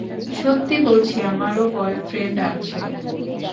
সত্যি বলছি, আমারও বয়ফ্রেন্ড আছে।